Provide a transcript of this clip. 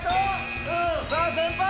さぁ先輩！